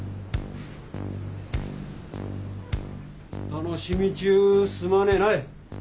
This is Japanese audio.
お楽しみ中すまねえない。